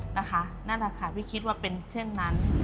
นั่นแหละค่ะพี่คิดว่าเป็นเช่นนั้น